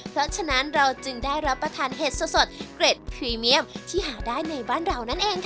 เพราะฉะนั้นเราจึงได้รับประทานเห็ดสดเกร็ดพรีเมียมที่หาได้ในบ้านเรานั่นเองค่ะ